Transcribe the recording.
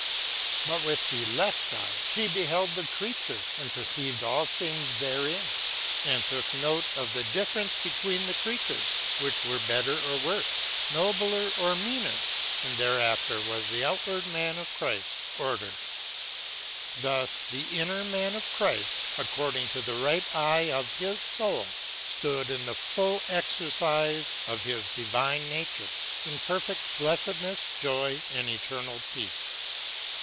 But with the left eye ihe beheld the creature and perceived all things therein, and took note of the difference Theologia Germanica. 19 between the creatures, which were better or worfe, nobler or meaner; and thereafter was the outward man of Chrift ordered. • Thus the inner man of Chrift, ac cording to the right eye of his foul, ftood in the full exercife of his divine nature, in perfect blefTednefs, joy and eternal peace.